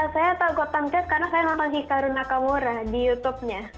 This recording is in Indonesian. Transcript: saya tahu gotham chess karena saya nonton hikaru nakamura di youtube nya